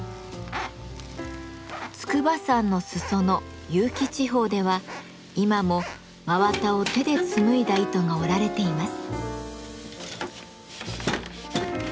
筑波山の裾野結城地方では今も真綿を手で紡いだ糸が織られています。